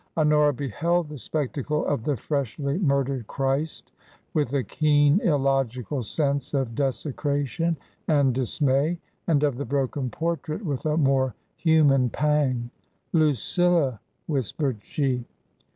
Honora beheld the spectacle of the freshly murdered Christ with a keen illogical sense of desecration and dis may. And of the broken portrait with a more human pang. " Lucilla !" whispered she.